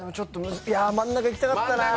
真ん中いきたかったな。